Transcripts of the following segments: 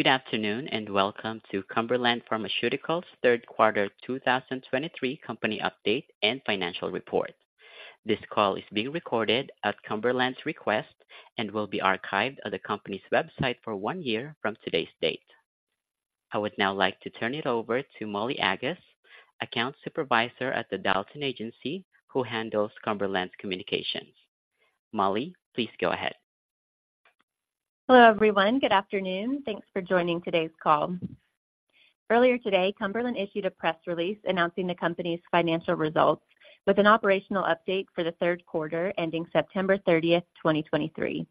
Good afternoon, and welcome to Cumberland Pharmaceuticals' third quarter 2023 company update and financial report. This call is being recorded at Cumberland's request and will be archived on the company's website for one year from today's date. I would now like to turn it over to Molly Aggas, Account Supervisor at Dalton Agency, who handles Cumberland's communications. Molly, please go ahead. Hello, everyone. Good afternoon. Thanks for joining today's call. Earlier today, Cumberland issued a press release announcing the company's financial results with an operational update for the third quarter, ending September 30th, 2023.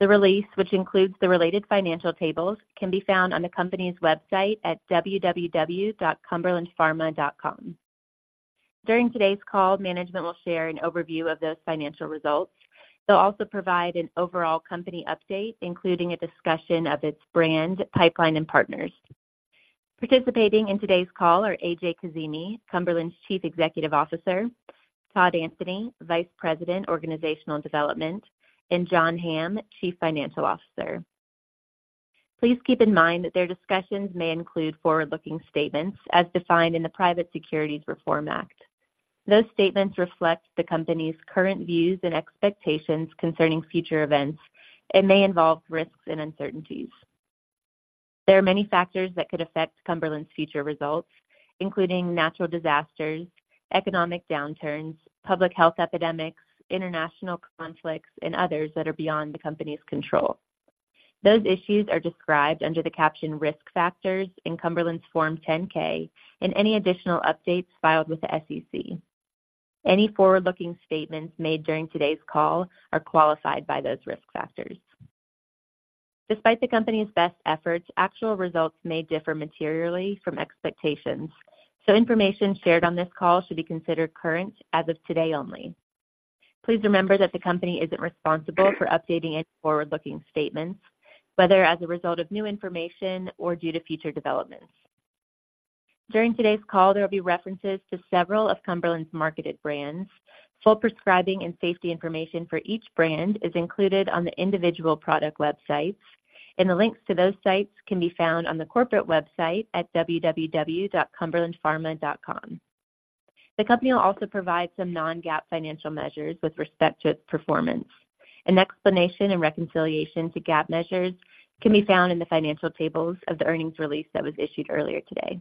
The release, which includes the related financial tables, can be found on the company's website at www.cumberlandpharma.com. During today's call, management will share an overview of those financial results. They'll also provide an overall company update, including a discussion of its brand, pipeline, and partners. Participating in today's call are A.J. Kazimi, Cumberland's Chief Executive Officer, Todd Anthony, Vice President, Organizational Development, and John Hamm, Chief Financial Officer. Please keep in mind that their discussions may include forward-looking statements as defined in the Private Securities Litigation Reform Act. Those statements reflect the company's current views and expectations concerning future events and may involve risks and uncertainties. There are many factors that could affect Cumberland's future results, including natural disasters, economic downturns, public health epidemics, international conflicts, and others that are beyond the company's control. Those issues are described under the caption Risk Factors in Cumberland's Form 10-K and any additional updates filed with the SEC. Any forward-looking statements made during today's call are qualified by those risk factors. Despite the company's best efforts, actual results may differ materially from expectations, so information shared on this call should be considered current as of today only. Please remember that the company isn't responsible for updating any forward-looking statements, whether as a result of new information or due to future developments. During today's call, there will be references to several of Cumberland's marketed brands. Full prescribing and safety information for each brand is included on the individual product websites, and the links to those sites can be found on the corporate website at www.cumberlandpharma.com. The company will also provide some non-GAAP financial measures with respect to its performance. An explanation and reconciliation to GAAP measures can be found in the financial tables of the earnings release that was issued earlier today.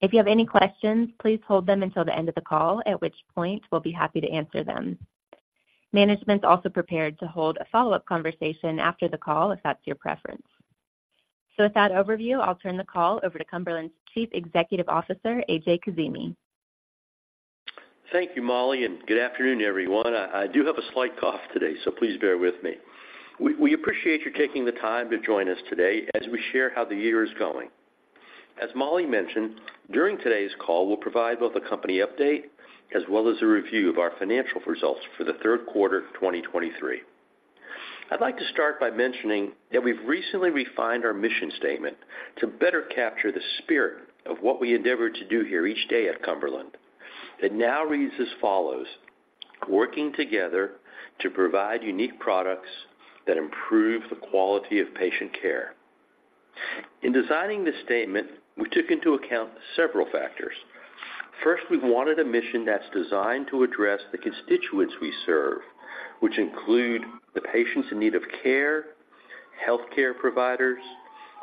If you have any questions, please hold them until the end of the call, at which point we'll be happy to answer them. Management's also prepared to hold a follow-up conversation after the call if that's your preference. With that overview, I'll turn the call over to Cumberland's Chief Executive Officer, A.J. Kazimi. Thank you, Molly, and good afternoon, everyone. I do have a slight cough today, so please bear with me. We appreciate you taking the time to join us today as we share how the year is going. As Molly mentioned, during today's call, we'll provide both a company update as well as a review of our financial results for the third quarter of 2023. I'd like to start by mentioning that we've recently refined our mission statement to better capture the spirit of what we endeavor to do here each day at Cumberland. It now reads as follows: "Working together to provide unique products that improve the quality of patient care." In designing this statement, we took into account several factors. First, we wanted a mission that's designed to address the constituents we serve, which include the patients in need of care, healthcare providers,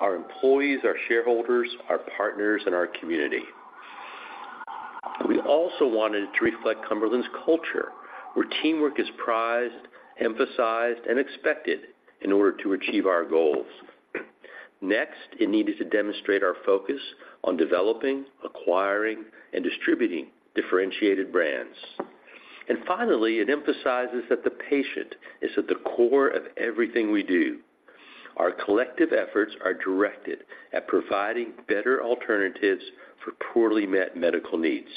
our employees, our shareholders, our partners, and our community. We also wanted it to reflect Cumberland's culture, where teamwork is prized, emphasized, and expected in order to achieve our goals. Next, it needed to demonstrate our focus on developing, acquiring, and distributing differentiated brands. Finally, it emphasizes that the patient is at the core of everything we do. Our collective efforts are directed at providing better alternatives for poorly met medical needs.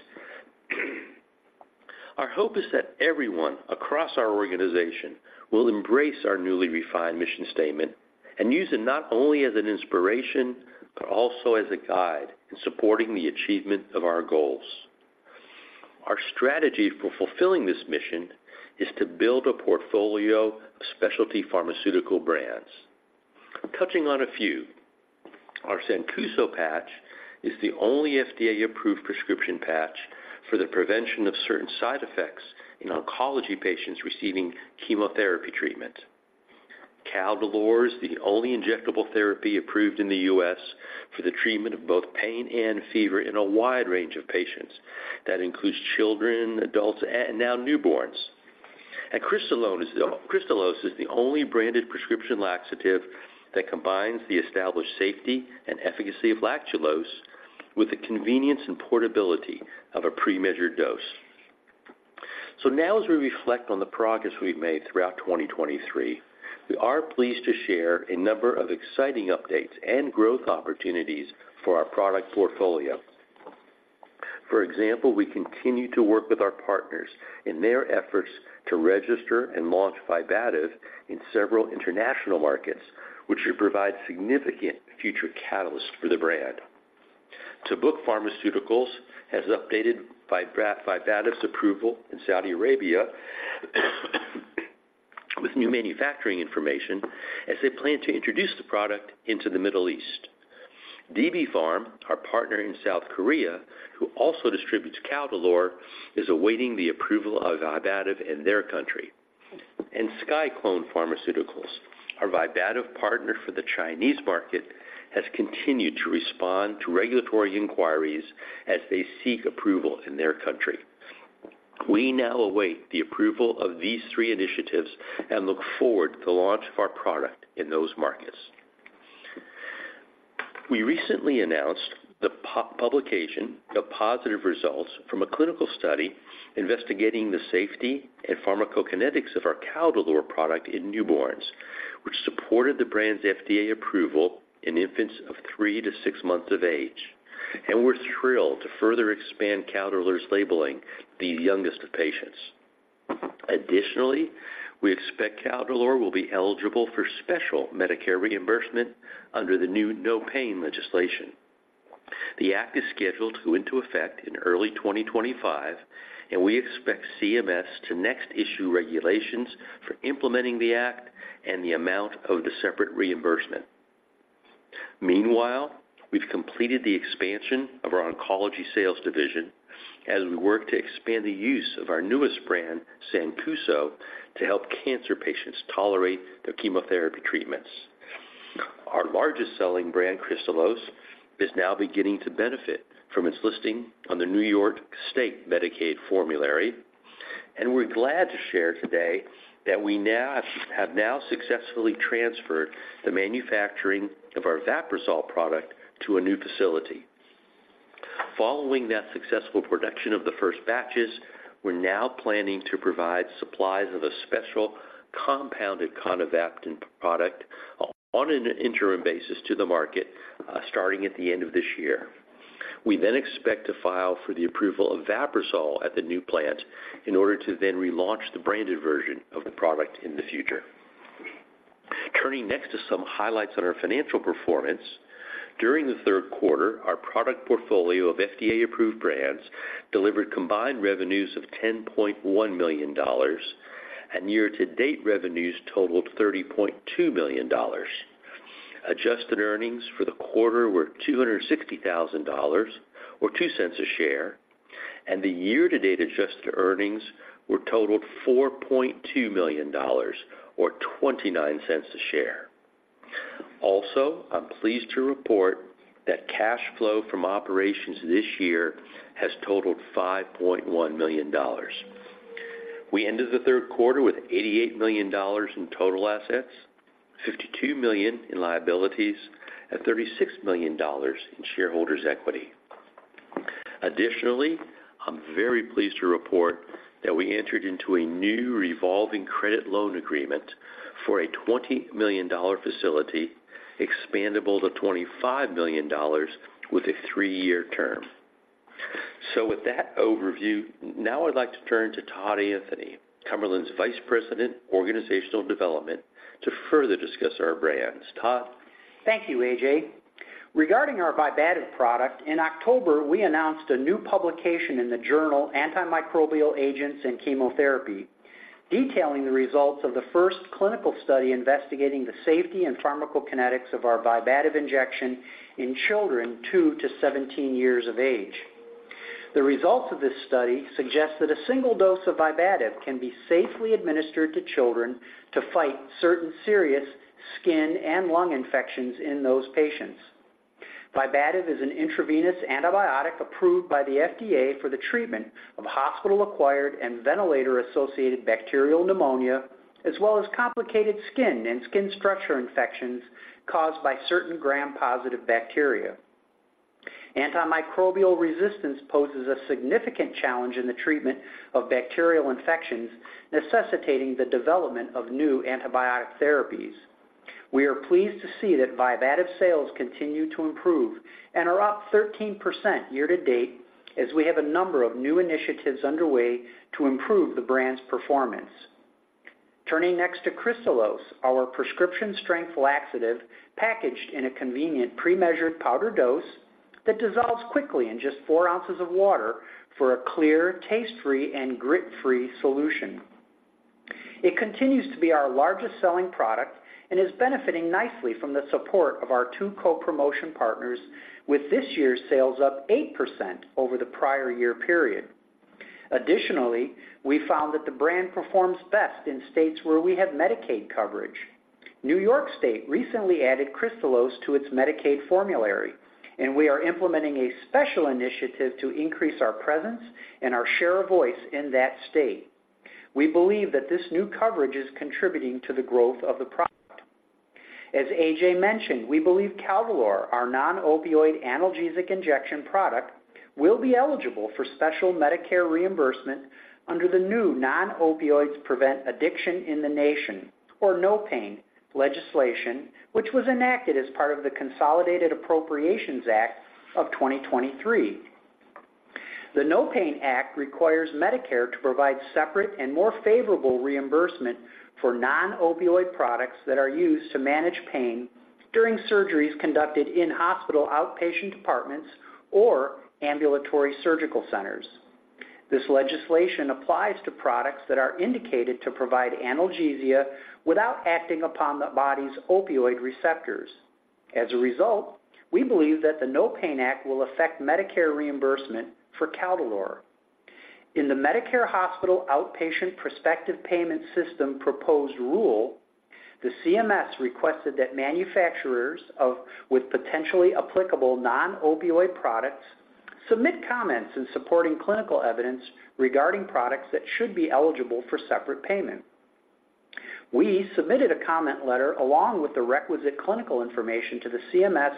Our hope is that everyone across our organization will embrace our newly refined mission statement and use it not only as an inspiration, but also as a guide in supporting the achievement of our goals. Our strategy for fulfilling this mission is to build a portfolio of specialty pharmaceutical brands. Touching on a few, our Sancuso patch is the only FDA-approved prescription patch for the prevention of certain side effects in oncology patients receiving chemotherapy treatment. Caldolor is the only injectable therapy approved in the U.S. for the treatment of both pain and fever in a wide range of patients. That includes children, adults, and now newborns. And Kristalose is the only branded prescription laxative that combines the established safety and efficacy of lactulose with the convenience and portability of a pre-measured dose. So now, as we reflect on the progress we've made throughout 2023, we are pleased to share a number of exciting updates and growth opportunities for our product portfolio. For example, we continue to work with our partners in their efforts to register and launch Vibativ in several international markets, which should provide significant future catalysts for the brand. Tabuk Pharmaceuticals has updated Vibativ's approval in Saudi Arabia with new manufacturing information as they plan to introduce the product into the Middle East. DB Pharm, our partner in South Korea, who also distributes Caldolor, is awaiting the approval of Vibativ in their country. SciClone Pharmaceuticals, our Vibativ partner for the Chinese market, has continued to respond to regulatory inquiries as they seek approval in their country. We now await the approval of these three initiatives and look forward to the launch of our product in those markets. We recently announced the publication of positive results from a clinical study investigating the safety and pharmacokinetics of our Caldolor product in newborns, which supported the brand's FDA approval in infants of three to six months of age, and we're thrilled to further expand Caldolor's labeling the youngest of patients. Additionally, we expect Caldolor will be eligible for special Medicare reimbursement under the new NOPAIN Legislation. The act is scheduled to go into effect in early 2025, and we expect CMS to next issue regulations for implementing the act and the amount of the separate reimbursement. Meanwhile, we've completed the expansion of our oncology sales division as we work to expand the use of our newest brand, Sancuso, to help cancer patients tolerate their chemotherapy treatments. Our largest selling brand, Kristalose, is now beginning to benefit from its listing on the New York State Medicaid formulary, and we're glad to share today that we have now successfully transferred the manufacturing of our Vaprisol product to a new facility. Following that successful production of the first batches, we're now planning to provide supplies of a special compounded conivaptan product on an interim basis to the market, starting at the end of this year. We then expect to file for the approval of Vaprisol at the new plant in order to then relaunch the branded version of the product in the future. Turning next to some highlights on our financial performance. During the third quarter, our product portfolio of FDA-approved brands delivered combined revenues of $10.1 million, and year-to-date revenues totaled $30.2 million. Adjusted earnings for the quarter were $260,000, or $0.02 a share, and the year-to-date adjusted earnings were totaled $4.2 million, or $0.29 a share. Also, I'm pleased to report that cash flow from operations this year has totaled $5.1 million. We ended the third quarter with $88 million in total assets, $52 million in liabilities, and $36 million in shareholders' equity. Additionally, I'm very pleased to report that we entered into a new revolving credit loan agreement for a $20 million facility, expandable to $25 million with a three-year term. So with that overview, now I'd like to turn to Todd Anthony, Cumberland's Vice President, Organizational Development, to further discuss our brands. Todd? Thank you, A.J. Regarding our Vibativ product, in October, we announced a new publication in the journal, Antimicrobial Agents and Chemotherapy, detailing the results of the first clinical study investigating the safety and pharmacokinetics of our Vibativ injection in children two to 17 years of age. The results of this study suggest that a single dose of Vibativ can be safely administered to children to fight certain serious skin and lung infections in those patients. Vibativ is an intravenous antibiotic approved by the FDA for the treatment of hospital-acquired and ventilator-associated bacterial pneumonia, as well as complicated skin and skin structure infections caused by certain Gram-positive bacteria. Antimicrobial resistance poses a significant challenge in the treatment of bacterial infections, necessitating the development of new antibiotic therapies. We are pleased to see that Vibativ sales continue to improve and are up 13% year-to-date, as we have a number of new initiatives underway to improve the brand's performance. Turning next to Kristalose, our prescription strength laxative, packaged in a convenient premeasured powder dose that dissolves quickly in just four ounces of water for a clear, taste-free, and grit-free solution. It continues to be our largest selling product and is benefiting nicely from the support of our two co-promotion partners, with this year's sales up 8% over the prior year period. Additionally, we found that the brand performs best in states where we have Medicaid coverage. New York State recently added Kristalose to its Medicaid formulary, and we are implementing a special initiative to increase our presence and our share of voice in that state. We believe that this new coverage is contributing to the growth of the product. As A.J. mentioned, we believe Caldolor, our non-opioid analgesic injection product, will be eligible for special Medicare reimbursement under the new Non-Opioids Prevent Addiction in the Nation, or NOPAIN legislation, which was enacted as part of the Consolidated Appropriations Act of 2023. The NOPAIN Act requires Medicare to provide separate and more favorable reimbursement for non-opioid products that are used to manage pain... during surgeries conducted in hospital outpatient departments or ambulatory surgical centers. This legislation applies to products that are indicated to provide analgesia without acting upon the body's opioid receptors. As a result, we believe that the NOPAIN Act will affect Medicare reimbursement for Caldolor. In the Medicare Hospital Outpatient Prospective Payment System Proposed Rule, the CMS requested that manufacturers with potentially applicable non-opioid products submit comments and supporting clinical evidence regarding products that should be eligible for separate payment. We submitted a comment letter along with the requisite clinical information to the CMS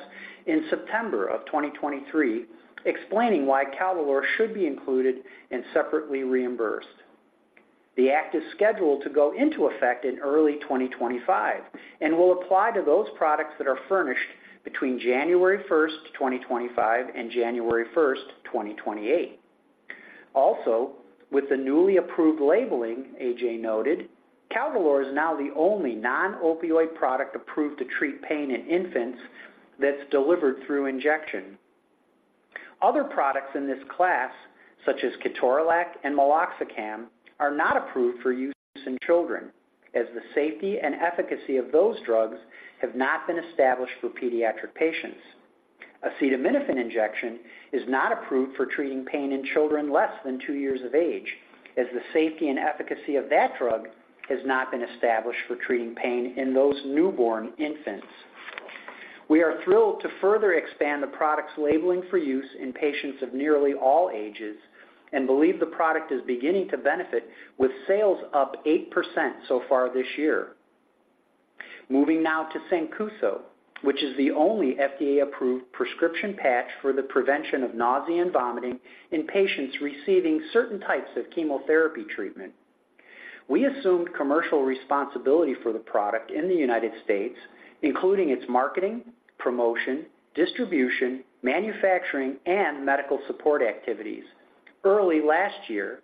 in September of 2023, explaining why Caldolor should be included and separately reimbursed. The act is scheduled to go into effect in early 2025 and will apply to those products that are furnished between January 1st, 2025 and January 1st, 2028. Also, with the newly approved labeling, A.J. noted, Caldolor is now the only non-opioid product approved to treat pain in infants that's delivered through injection. Other products in this class, such as ketorolac and meloxicam, are not approved for use in children, as the safety and efficacy of those drugs have not been established for pediatric patients. Acetaminophen injection is not approved for treating pain in children less than two years of age, as the safety and efficacy of that drug has not been established for treating pain in those newborn infants. We are thrilled to further expand the product's labeling for use in patients of nearly all ages and believe the product is beginning to benefit, with sales up 8% so far this year. Moving now to Sancuso, which is the only FDA-approved prescription patch for the prevention of nausea and vomiting in patients receiving certain types of chemotherapy treatment. We assumed commercial responsibility for the product in the United States, including its marketing, promotion, distribution, manufacturing, and medical support activities early last year,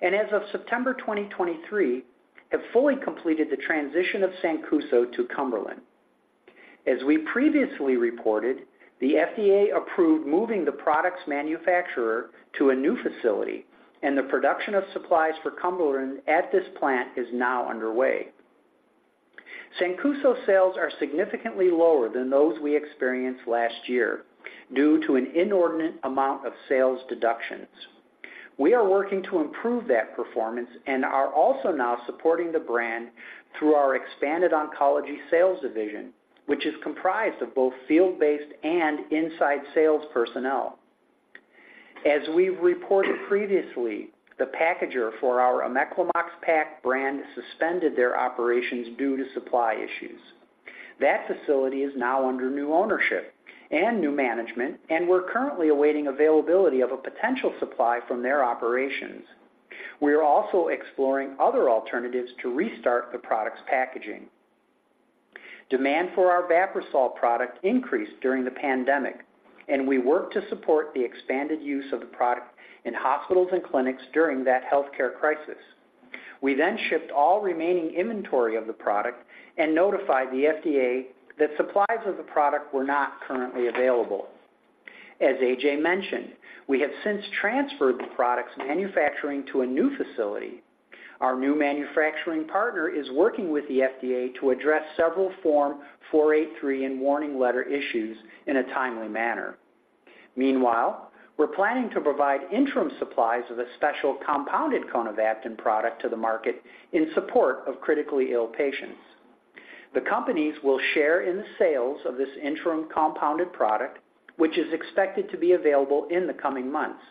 and as of September 2023, have fully completed the transition of Sancuso to Cumberland. As we previously reported, the FDA approved moving the product's manufacturer to a new facility, and the production of supplies for Cumberland at this plant is now underway. Sancuso sales are significantly lower than those we experienced last year due to an inordinate amount of sales deductions. We are working to improve that performance and are also now supporting the brand through our expanded oncology sales division, which is comprised of both field-based and inside sales personnel. As we've reported previously, the packager for our Omeclamox-Pak brand suspended their operations due to supply issues. That facility is now under new ownership and new management, and we're currently awaiting availability of a potential supply from their operations. We are also exploring other alternatives to restart the product's packaging. Demand for our Vaprisol product increased during the pandemic, and we worked to support the expanded use of the product in hospitals and clinics during that healthcare crisis. We then shipped all remaining inventory of the product and notified the FDA that supplies of the product were not currently available. As A.J. mentioned, we have since transferred the product's manufacturing to a new facility. Our new manufacturing partner is working with the FDA to address several Form 483 and warning letter issues in a timely manner. Meanwhile, we're planning to provide interim supplies of a special compounded conivaptan product to the market in support of critically ill patients. The companies will share in the sales of this interim compounded product, which is expected to be available in the coming months.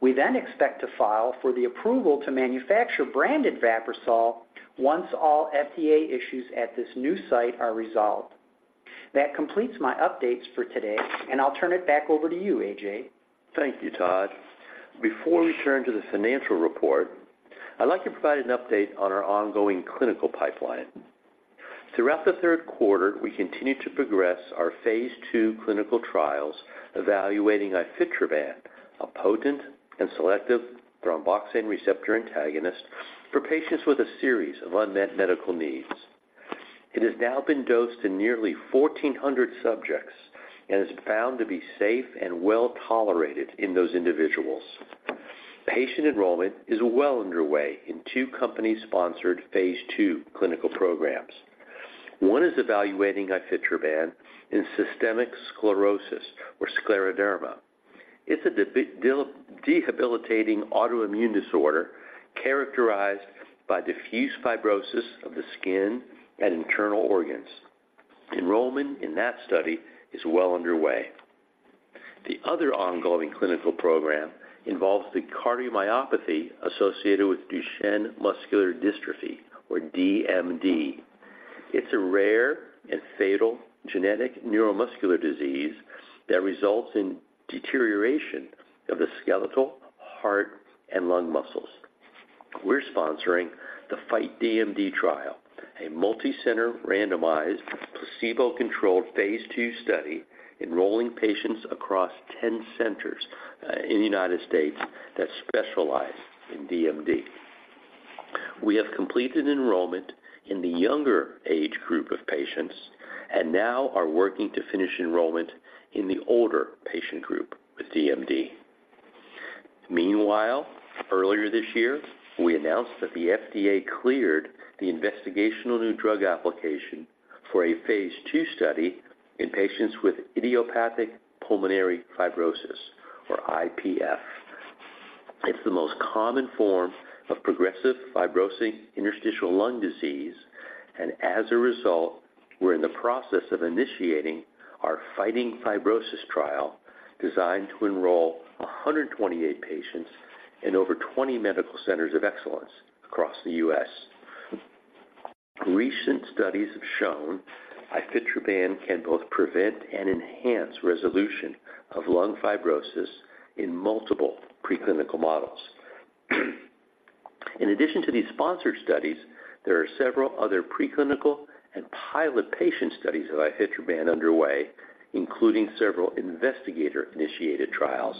We then expect to file for the approval to manufacture branded Vaprisol once all FDA issues at this new site are resolved. That completes my updates for today, and I'll turn it back over to you, A.J. Thank you, Todd. Before we turn to the financial report, I'd like to provide an update on our ongoing clinical pipeline. Throughout the third quarter, we continued to progress our phase II clinical trials, evaluating ifetroban, a potent and selective thromboxane receptor antagonist for patients with a series of unmet medical needs. It has now been dosed in nearly 1,400 subjects and is found to be safe and well-tolerated in those individuals. Patient enrollment is well underway in two company-sponsored phase II clinical programs. One is evaluating ifetroban in systemic sclerosis or scleroderma. It's a debilitating autoimmune disorder characterized by diffuse fibrosis of the skin and internal organs. Enrollment in that study is well underway. The other ongoing clinical program involves the cardiomyopathy associated with Duchenne muscular dystrophy, or DMD. It's a rare and fatal genetic neuromuscular disease that results in deterioration of the skeletal, heart, and lung muscles. We're sponsoring the FIGHT DMD trial, a multicenter, randomized, placebo-controlled, phase II study enrolling patients across 10 centers in the United States that specialize in DMD. We have completed enrollment in the younger age group of patients and now are working to finish enrollment in the older patient group with DMD. Meanwhile, earlier this year, we announced that the FDA cleared the investigational new drug application for a phase II study in patients with idiopathic pulmonary fibrosis, or IPF. It's the most common form of progressive fibrosing interstitial lung disease, and as a result, we're in the process of initiating our Fighting Fibrosis trial, designed to enroll 128 patients in over 20 medical centers of excellence across the U.S. Recent studies have shown ifetroban can both prevent and enhance resolution of lung fibrosis in multiple preclinical models. In addition to these sponsored studies, there are several other preclinical and pilot patient studies of ifetroban underway, including several investigator-initiated trials.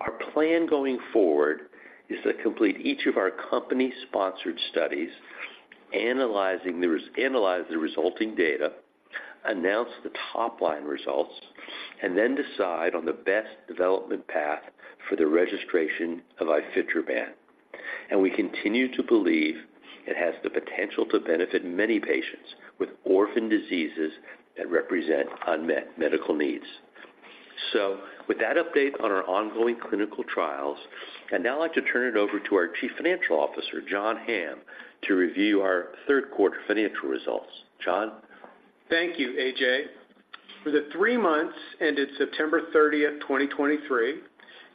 Our plan going forward is to complete each of our company-sponsored studies, analyze the resulting data, announce the top-line results, and then decide on the best development path for the registration of ifetroban. We continue to believe it has the potential to benefit many patients with orphan diseases that represent unmet medical needs. With that update on our ongoing clinical trials, I'd now like to turn it over to our Chief Financial Officer, John Hamm, to review our third quarter financial results. John? Thank you, A.J. For the three months ended September 30th, 2023,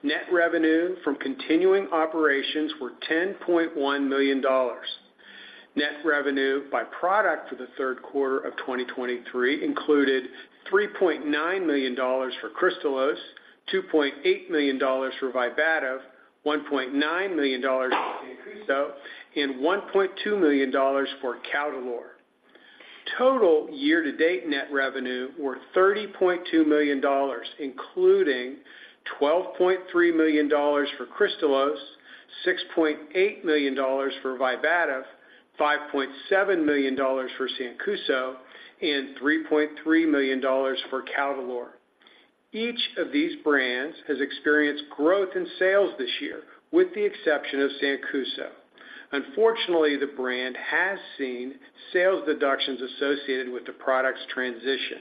net revenue from continuing operations were $10.1 million. Net revenue by product for the third quarter of 2023 included $3.9 million for Kristalose, $2.8 million for Vibativ, $1.9 million for Sancuso, and $1.2 million for Caldolor. Total year-to-date net revenue were $30.2 million, including $12.3 million for Kristalose, $6.8 million for Vibativ, $5.7 million for Sancuso, and $3.3 million for Caldolor. Each of these brands has experienced growth in sales this year, with the exception of Sancuso. Unfortunately, the brand has seen sales deductions associated with the product's transition.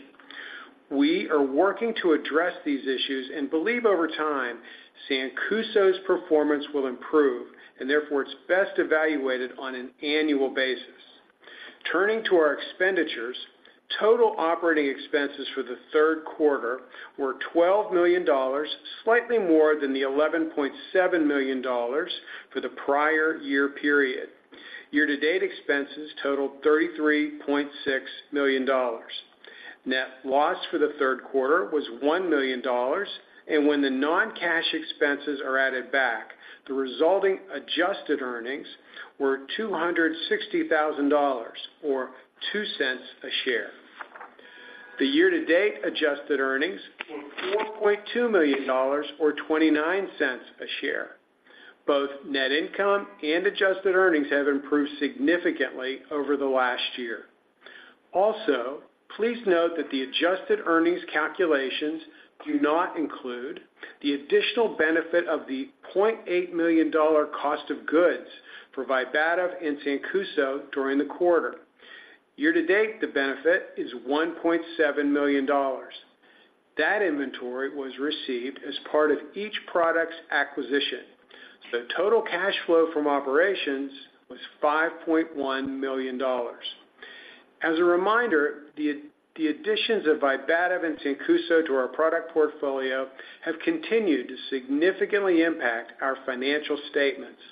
We are working to address these issues and believe over time, Sancuso's performance will improve, and therefore, it's best evaluated on an annual basis. Turning to our expenditures, total operating expenses for the third quarter were $12 million, slightly more than the $11.7 million for the prior year period. Year-to-date expenses totaled $33.6 million. Net loss for the third quarter was $1 million, and when the non-cash expenses are added back, the resulting adjusted earnings were $260,000, or $0.02 per share. The year-to-date adjusted earnings were $4.2 million, or $0.29 per share. Both net income and adjusted earnings have improved significantly over the last year. Also, please note that the adjusted earnings calculations do not include the additional benefit of the $0.8 million cost of goods for Vibativ and Sancuso during the quarter. Year to date, the benefit is $1.7 million. That inventory was received as part of each product's acquisition, so total cash flow from operations was $5.1 million. As a reminder, the additions of Vibativ and Sancuso to our product portfolio have continued to significantly impact our financial statements.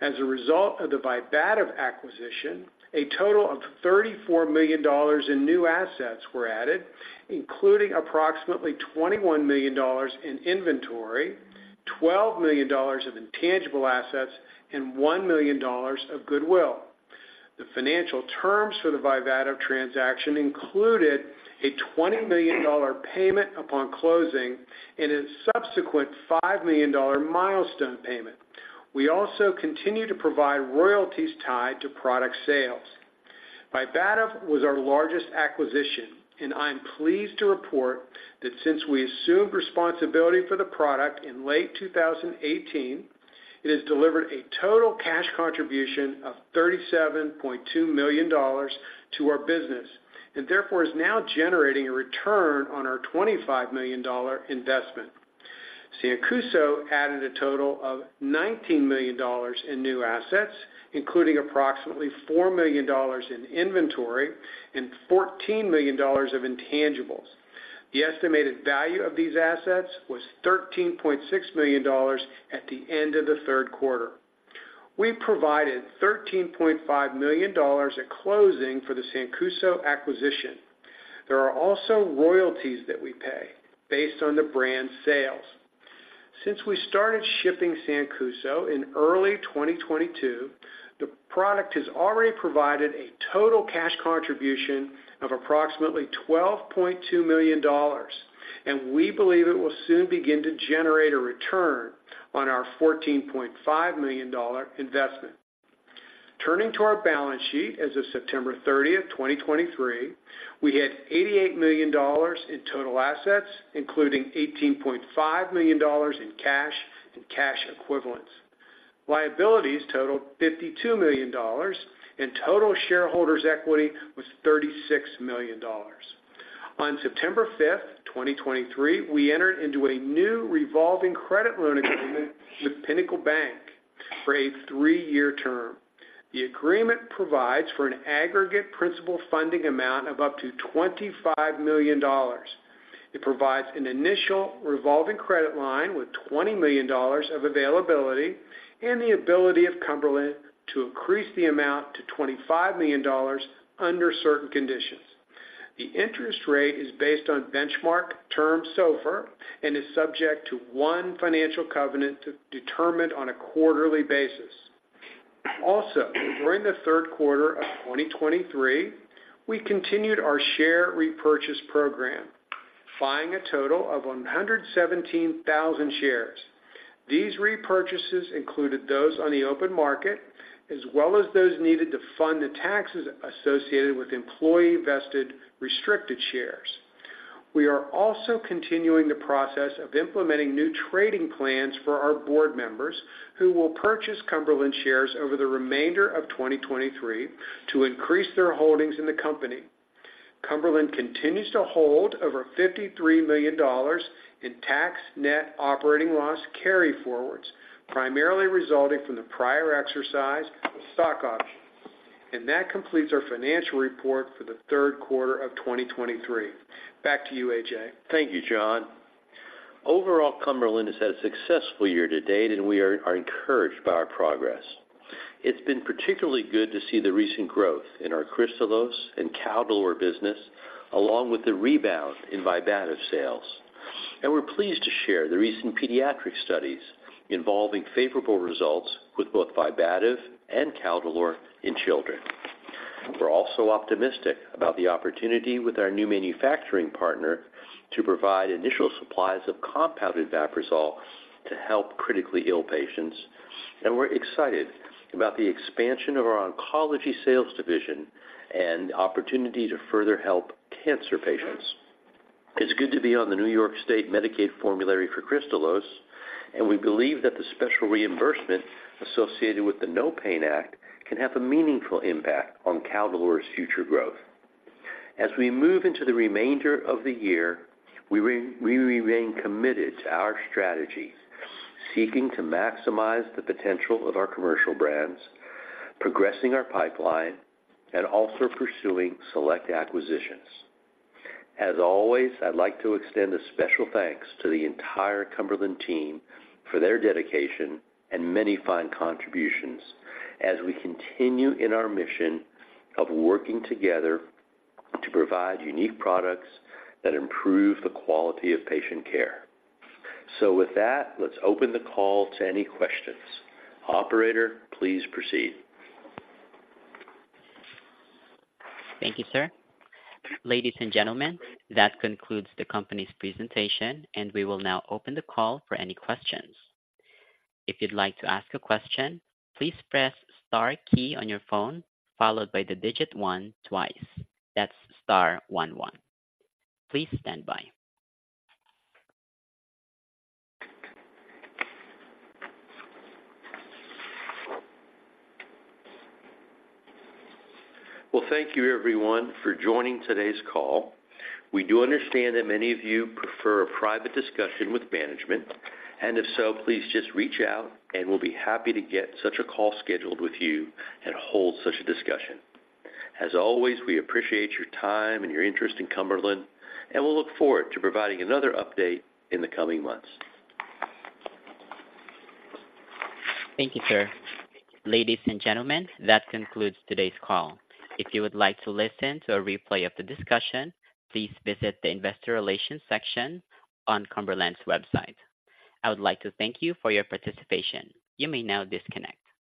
As a result of the Vibativ acquisition, a total of $34 million in new assets were added, including approximately $21 million in inventory, $12 million of intangible assets, and $1 million of goodwill. The financial terms for the Vibativ transaction included a $20 million payment upon closing and a subsequent $5 million milestone payment. We also continue to provide royalties tied to product sales. Vibativ was our largest acquisition, and I'm pleased to report that since we assumed responsibility for the product in late 2018, it has delivered a total cash contribution of $37.2 million to our business, and therefore, is now generating a return on our $25 million investment. Sancuso added a total of $19 million in new assets, including approximately $4 million in inventory and $14 million of intangibles. The estimated value of these assets was $13.6 million at the end of the third quarter. We provided $13.5 million at closing for the Sancuso acquisition. There are also royalties that we pay based on the brand's sales. Since we started shipping Sancuso in early 2022, the product has already provided a total cash contribution of approximately $12.2 million and we believe it will soon begin to generate a return on our $14.5 million investment. Turning to our balance sheet, as of September 30th, 2023, we had $88 million in total assets, including $18.5 million in cash and cash equivalents. Liabilities totaled $52 million, and total shareholders' equity was $36 million. On September 5th, 2023, we entered into a new revolving credit loan agreement with Pinnacle Bank for a three-year term. The agreement provides for an aggregate principal funding amount of up to $25 million. It provides an initial revolving credit line with $20 million of availability and the ability of Cumberland to increase the amount to $25 million under certain conditions. The interest rate is based on benchmark term SOFR, and is subject to one financial covenant determined on a quarterly basis. Also, during the third quarter of 2023, we continued our share repurchase program, buying a total of 117,000 shares. These repurchases included those on the open market, as well as those needed to fund the taxes associated with employee-vested restricted shares. We are also continuing the process of implementing new trading plans for our board members, who will purchase Cumberland shares over the remainder of 2023 to increase their holdings in the company. Cumberland continues to hold over $53 million in tax net operating loss carryforwards, primarily resulting from the prior exercise of stock options. That completes our financial report for the third quarter of 2023. Back to you, A.J. Thank you, John. Overall, Cumberland has had a successful year to date, and we are encouraged by our progress. It's been particularly good to see the recent growth in our Kristalose and Caldolor business, along with the rebound in Vibativ sales. We're pleased to share the recent pediatric studies involving favorable results with both Vibativ and Caldolor in children. We're also optimistic about the opportunity with our new manufacturing partner to provide initial supplies of compounded Vaprisol to help critically ill patients, and we're excited about the expansion of our oncology sales division and opportunity to further help cancer patients. It's good to be on the New York State Medicaid formulary for Kristalose, and we believe that the special reimbursement associated with the NOPAIN Act can have a meaningful impact on Caldolor's future growth. As we move into the remainder of the year, we remain committed to our strategies, seeking to maximize the potential of our commercial brands, progressing our pipeline, and also pursuing select acquisitions. As always, I'd like to extend a special thanks to the entire Cumberland team for their dedication and many fine contributions as we continue in our mission of working together to provide unique products that improve the quality of patient care. With that, let's open the call to any questions. Operator, please proceed. Thank you, sir. Ladies and gentlemen, that concludes the company's presentation, and we will now open the call for any questions. If you'd like to ask a question, please press star key on your phone, followed by the digit one twice. That's star one, one. Please stand by. Well, thank you everyone for joining today's call. We do understand that many of you prefer a private discussion with management, and if so, please just reach out, and we'll be happy to get such a call scheduled with you and hold such a discussion. As always, we appreciate your time and your interest in Cumberland, and we'll look forward to providing another update in the coming months. Thank you, sir. Ladies and gentlemen, that concludes today's call. If you would like to listen to a replay of the discussion, please visit the Investor Relations section on Cumberland's website. I would like to thank you for your participation. You may now disconnect.